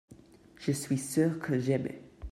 je suis sûr que j'aimais.